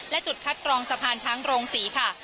และจุดคัดกรองสะพานช้างโรงศรีค่ะ